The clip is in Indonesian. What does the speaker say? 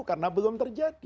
karena belum terjadi